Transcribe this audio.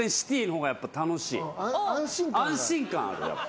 安心感あるやっぱ。